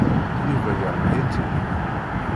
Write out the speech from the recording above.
Yuba yerbeḥ-itt-id.